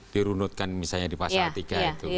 dirunutkan misalnya di pasal tiga itu